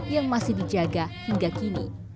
yang masih dijaga hingga kini